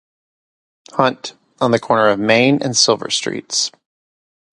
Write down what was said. Hunt, on the corner of Main and Silver Streets.